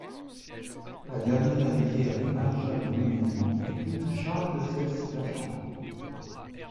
La dernière héritière des Mareschal de Montmélian épouse Charles de Seyssel-La Chambre.